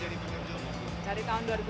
dari berapa lama jadi penerjun